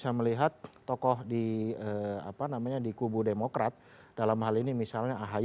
saya melihat tokoh di apa namanya di kubu demokrat dalam hal ini misalnya ahy